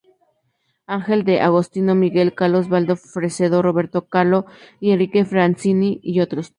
Angel D’Agostino, Miguel Caló, Osvaldo Fresedo, Roberto Caló, Enrique Francini, y otros.